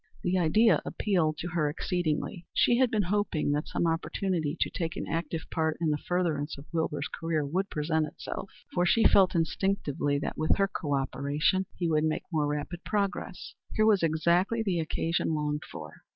The idea appealed to her exceedingly. She had been hoping that some opportunity to take an active part in the furtherance of Wilbur's career would present itself, for she felt instinctively that with her co operation he would make more rapid progress. Here was exactly the occasion longed for.